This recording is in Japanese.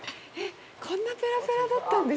こんなペラペラだったんですね。